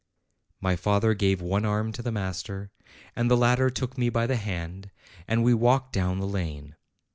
My father gave one arm to the master, and the latter took me by the hand, and we walked down the lane.